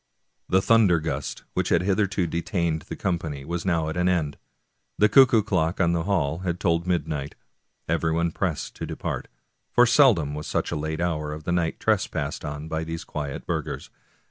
The thunder gust which had hitherto detained the com pany was now at an end. The cuckoo clock in the hall told midnight ; everyone pressed to depart, for seldom was such a late hour of the night trespassed on by these quiet burghers.